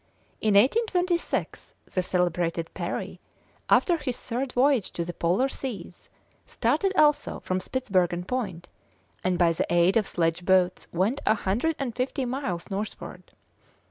In 1826 the celebrated Parry, after his third voyage to the Polar Seas, started also from Spitzbergen Point, and by the aid of sledge boats went a hundred and fifty miles northward.